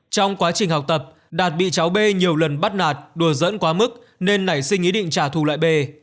trong quá trình học tập đạt bị cháu bê nhiều lần bắt nạt đùa dẫn quá mức nên nảy sinh ý định trả thù lại bê